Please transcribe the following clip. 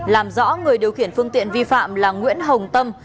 làm rõ người điều khiển phương tiện vi phạm là nguyễn hồng tâm